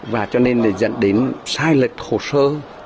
và cho nên là dẫn đến sai lệch hồ sơ